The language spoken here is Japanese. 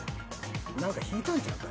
何か引いたんちゃうか？